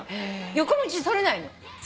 横道それないの。